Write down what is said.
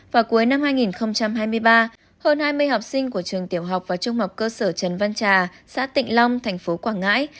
vào cuối năm hai nghìn hai mươi ba hơn hai mươi học sinh của trường tiểu học và trung học cơ sở trần văn trà xã tịnh long thành phố quảng ngãi